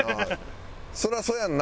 「そりゃそうやんな」